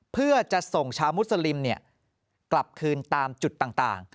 เพื่อจะส่งชาวมุสลิมกลับคืนตามจุดต่าง